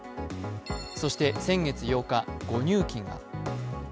そして先月８日、誤入金が。